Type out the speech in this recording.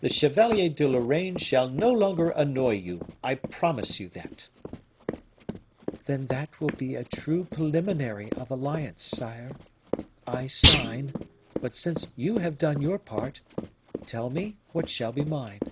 "The Chevalier de Lorraine shall no longer annoy you I promise you that." "Then that will be a true preliminary of alliance, sire, I sign; but since you have done your part, tell me what shall be mine."